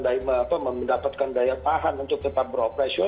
dan untuk melakukan daya apa mendapatkan daya tahan untuk tetap beroperasional